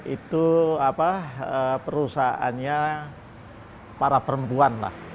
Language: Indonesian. itu perusahaannya para perempuan lah